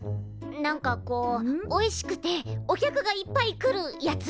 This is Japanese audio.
なんかこうおいしくてお客がいっぱい来るやつ。